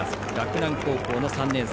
洛南高校３年生。